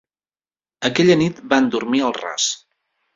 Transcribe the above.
Aquella nit van dormir al ras.